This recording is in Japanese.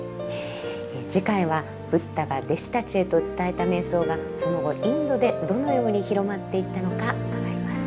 次回はブッダが弟子たちへと伝えた瞑想がその後インドでどのように広まっていったのか伺います。